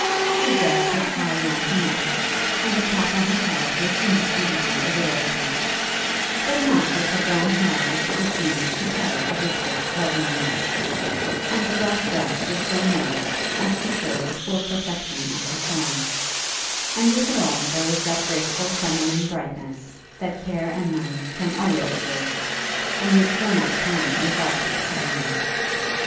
Her dress was high round her neck, and the cap on her head was indisputably a widow's cap; but enough of her brown hair was to be seen to tell of its rich loveliness; and the black dress was so made as to show the full perfection of her form; and with it all there was that graceful feminine brightness that care and money can always give, and which will not come without care and money.